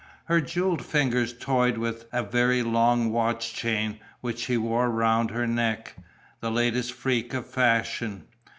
Her jewelled fingers toyed with a very long watch chain which she wore round her neck: the latest freak of fashion.